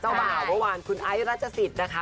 เจ้าบ่าวเมื่อวานคุณไอส์รัชศิสตร์นะคะ